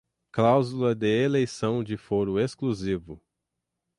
cláusula de eleição de foro exclusivo